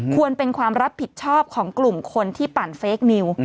ควรเป็นความรับผิดชอบของกลุ่มคนที่ปั่นเฟคนิว